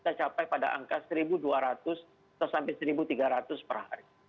sudah sampai pada angka satu dua ratus atau sampai satu tiga ratus perhari